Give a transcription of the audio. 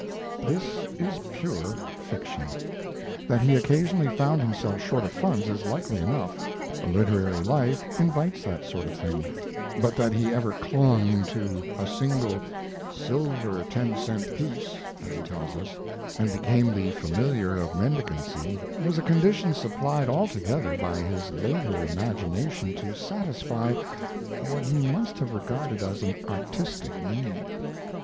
This is pure fiction. That he occasionally found himself short of funds is likely enough a literary life invites that sort of thing but that he ever clung to a single "silver ten cent piece," as he tells us, and became the familiar of mendicancy, was a condition supplied altogether by his later imagination to satisfy what he must have regarded as an artistic need.